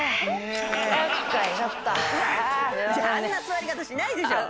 あんな座り方しないでしょ。